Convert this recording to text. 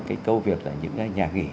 cái câu việc là những nhà nghỉ